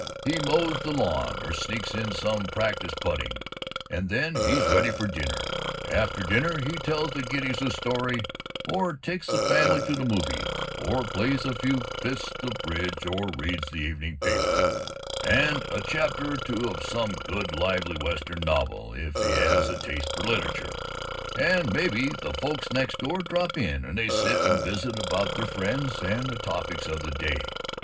He mows the lawn, or sneaks in some practice putting, and then he's ready for dinner. After dinner he tells the kiddies a story, or takes the family to the movies, or plays a few fists of bridge, or reads the evening paper, and a chapter or two of some good lively Western novel if he has a taste for literature, and maybe the folks next door drop in and they sit and visit about their friends and the topics of the day.